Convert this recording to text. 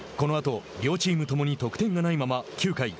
このあと両チーム共に得点がないまま、９回。